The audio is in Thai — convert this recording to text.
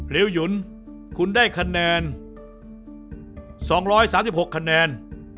ริ้วหยุนคุณได้คะแนน๒๓๖คะแนน